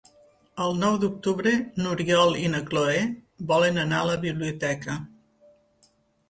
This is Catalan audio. El nou d'octubre n'Oriol i na Cloè volen anar a la biblioteca.